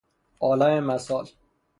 عالم مثال